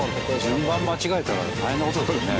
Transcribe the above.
順番間違えたら大変な事ですよね。